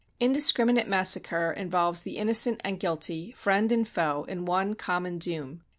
Indiscriminate massacre involves the innocent and guilty, friend and foe, in one common doom.